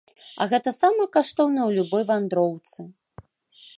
А гэта самае каштоўнае ў любой вандроўцы.